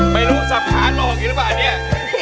ไม่รู้สับขาหลอกอยู่หรือเปล่าเนี่ย